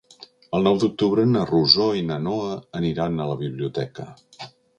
El nou d'octubre na Rosó i na Noa aniran a la biblioteca.